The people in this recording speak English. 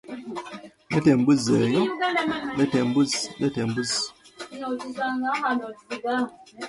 However, their common interests led to a lengthy romantic relationship.